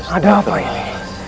ada apa ini